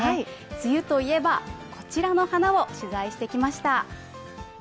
梅雨といえば、こちらの花を取材してきました。